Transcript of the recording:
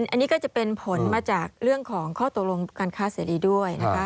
อันนี้ก็จะเป็นผลมาจากเรื่องของข้อตกลงการค้าเสรีด้วยนะคะ